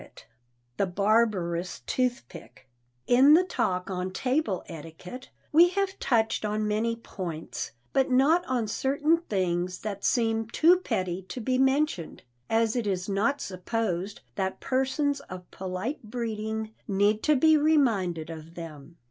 [Sidenote: THE BARBAROUS TOOTHPICK] In the talk on table etiquette, we have touched on many points, but not on certain things that seem too petty to be mentioned, as it is not supposed that persons of polite breeding need to be reminded of them.